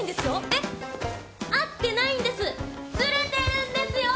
えっ合ってないんですずれてるんですよ。